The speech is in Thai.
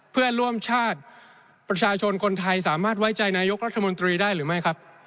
เพื่อร่วมชาติประชาชนคนไทยสามารถไว้ใจนายกรัฐมนตรีได้หรือไม่ครับ